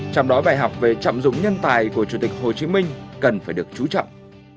trong đó bài học về trọng dụng nhân tài của chủ tịch hồ chí minh cần phải được chú trọng